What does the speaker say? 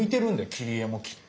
切り絵もきっと。